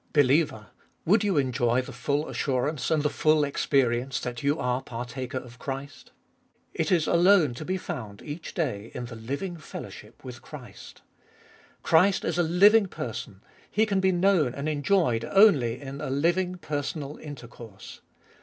Believer! would you enjoy the full assurance and the full experience that you are partaker of Christ ? It is alone to be found each day in the living fellotvship with Christ. Christ is a living person, He can be known and enjoyed only in a living personal 138 abe tboliest ot 2W intercourse.